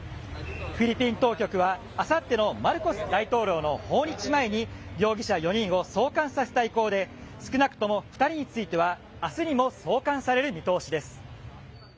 フィリピン当局は、あさってのマルコス大統領の訪日前に、容疑者４人を送還させたい意向で、少なくとも２人については、あすにも送還される見通しです。